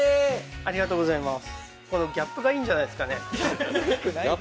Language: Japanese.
ありがとうございます。